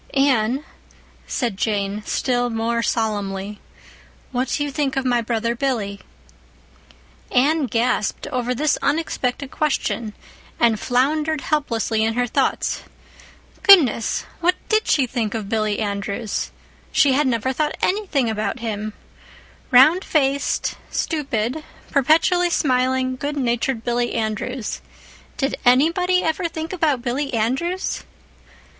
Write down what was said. "Anne," said Jane, still more solemnly, "what do you think of my brother Billy?" Anne gasped over this unexpected question, and floundered helplessly in her thoughts. Goodness, what did she think of Billy Andrews? She had never thought anything about him—round faced, stupid, perpetually smiling, good natured Billy Andrews. Did anybody ever think about Billy Andrews?